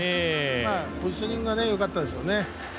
今のは、ポジショニングがよかったですよね。